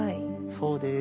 そうです。